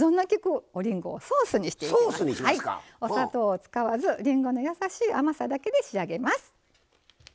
お砂糖を使わずりんごのやさしい甘さだけで仕上げます。